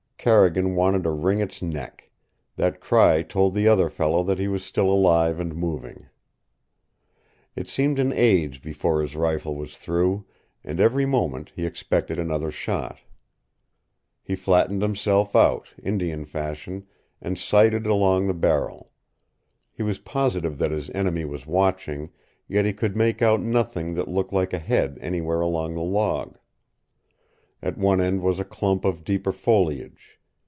Carrigan wanted to wring its neck. That cry told the other fellow that he was still alive and moving. It seemed an age before his rifle was through, and every moment he expected another shot. He flattened himself out, Indian fashion, and sighted along the barrel. He was positive that his enemy was watching, yet he could make out nothing that looked like a head anywhere along the log. At one end was a clump of deeper foliage.